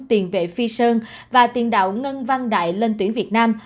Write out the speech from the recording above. tiền vệ phi sơn và tiền đạo ngân văn đại lên tuyển việt nam